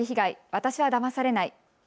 私はだまされない。